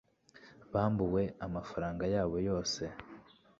bambuwe amafaranga yabo yose